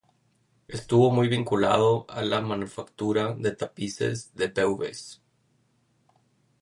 Estuvo muy vinculado a la manufactura de tapices de Beauvais.